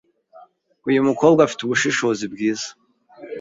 Uyu mukobwa afite ubushishozi bwiza.